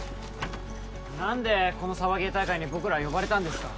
なんでこのサバゲー大会に僕ら呼ばれたんですか？